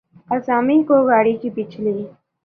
اعظمی کو گاڑی کی پچھلی